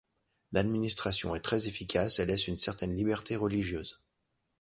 L’administration est très efficace et laisse une certaine liberté religieuse.